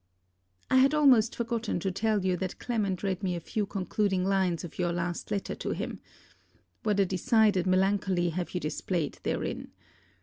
I had almost forgotten to tell you that Clement read me a few concluding lines of your last letter to him. What a decided melancholy have you displayed therein!